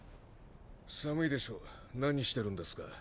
寒いでしょ何してるんですか？